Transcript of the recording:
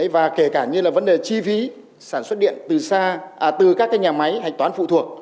và kể cả như là vấn đề chi phí sản xuất điện từ xa từ các nhà máy hạch toán phụ thuộc